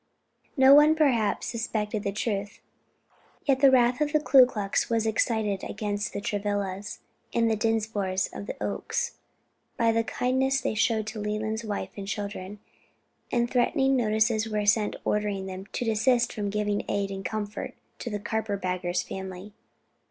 No one, perhaps, suspected the truth, yet the wrath of the Ku Klux was excited against the Travillas, and the Dinsmores of the Oaks, by the kindness they showed to Leland's wife and children; and threatening notices were sent ordering them to desist from giving aid and comfort to "the carpet bagger's family."